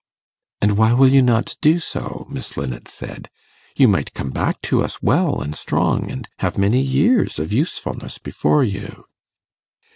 'And why will you not do so?' Miss Linnet said; 'you might come back to us well and strong, and have many years of usefulness before you.